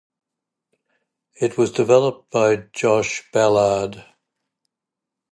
It was developed by Josh Ballard.